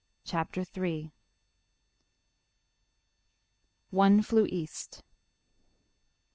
CHAPTER III. "ONE FLEW EAST."